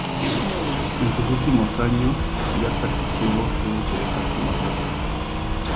En sus últimos años, ya casi ciego, tuvo que dejar su labor artística.